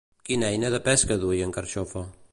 Quina eina de pesca duia en Carxofa?